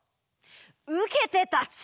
うけてたつ！